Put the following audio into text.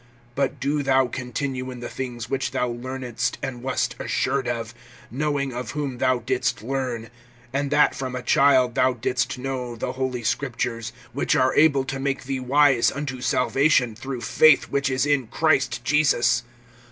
(14)But do thou continue in the things which thou learnedst and wast assured of, knowing of whom thou didst learn; (15)and that from a child thou didst know the Holy Scriptures, which are able to make thee wise unto salvation, through faith which is in Christ Jesus.